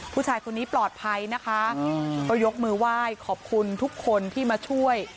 ผู้ชายคนนี้ปลอดภัยนะคะก็ยกมือไหว้ขอบคุณทุกคนที่มาช่วย